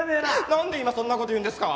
なんで今そんな事言うんですか？